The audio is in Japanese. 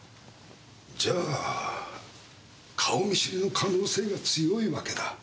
じゃあ顔見知りの可能性が強いわけだ。